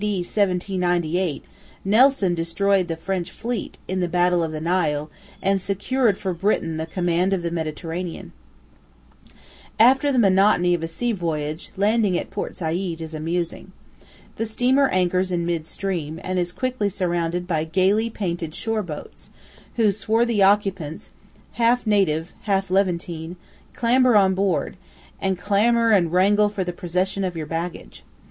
1798, Nelson destroyed the French fleet, and secured for Britain the command of the Mediterranean. [Footnote 1: In the "Battle of the Nile."] After the monotony of a sea voyage, landing at Port Said is amusing. The steamer anchors in mid stream, and is quickly surrounded by gaily painted shore boats, whose swarthy occupants half native, half Levantine clamber on board, and clamour and wrangle for the possession of your baggage.